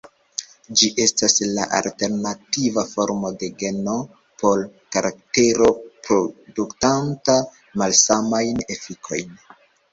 Ĝi estas la alternativa formo de geno por karaktero produktanta malsamajn efikojn.